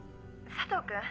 佐藤君？